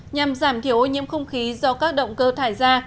nhằm giảm thiểu ô nhiễm không khí do các động cơ thải ra